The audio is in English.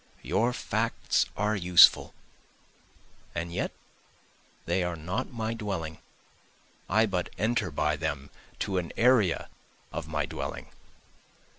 Your facts are useful, and yet they are not my dwelling, I but enter by them to an area of my dwelling.